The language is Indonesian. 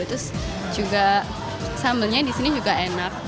terus juga sambalnya di sini juga enak